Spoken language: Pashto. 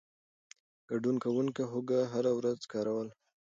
ګډون کوونکو هوږه هره ورځ کاروله.